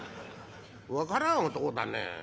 「分からん男だね。